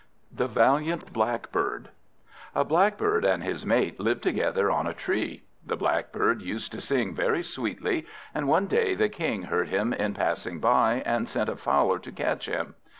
The Valiant Blackbird A BLACKBIRD and his mate lived together on a tree. The Blackbird used to sing very sweetly, and one day the King heard him in passing by, and sent a Fowler to catch him.